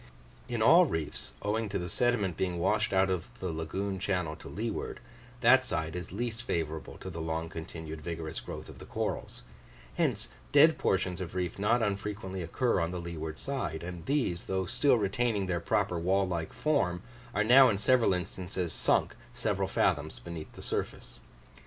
In all reefs, owing to the sediment being washed out of the lagoon channel to leeward, that side is least favourable to the long continued vigorous growth of the corals; hence dead portions of reef not unfrequently occur on the leeward side; and these, though still retaining their proper wall like form, are now in several instances sunk several fathoms beneath the surface.